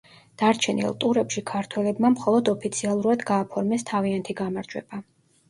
დარჩენილ ტურებში ქართველებმა მხოლოდ ოფიციალურად გააფორმეს თავიანთი გამარჯვება.